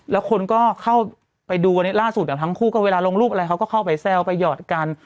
แล้วคนก็เข้าไปดูกันล่าสุดทั้งคู่ก็เวลาลงรูปอะไรเขาก็เข้าไปแซวไปหยอดกัน